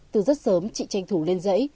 từ rất sớm chị tranh thủ lên dãy